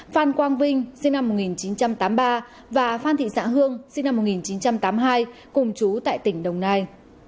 phan quang vinh sinh năm một nghìn chín trăm tám mươi ba và phan thị xã hương sinh năm một nghìn chín trăm tám mươi hai cùng chú tại tỉnh đồng nai